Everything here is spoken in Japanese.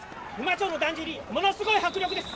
町のだんじり、ものすごい迫力です。